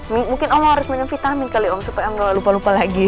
mungkin om harus minum vitamin kali om supaya om ga lupa lupa lagi